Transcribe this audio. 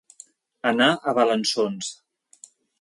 Anar a balançons.